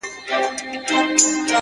څنگه به هغه له ياده وباسم ـ